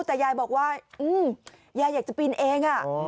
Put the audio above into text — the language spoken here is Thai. แต่ยายบอกว่าอืมยายอยากจะปีนเองอ่ะอ๋อ